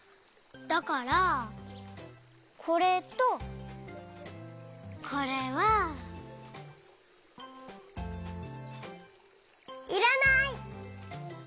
だからこれとこれは。いらない！